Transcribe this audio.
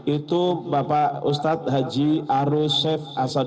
itu bapak ustadz haji arun